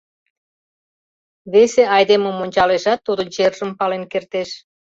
Весе айдемым ончалешат, тудын чержым пален кертеш.